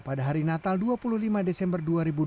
pada hari natal dua puluh lima desember dua ribu dua puluh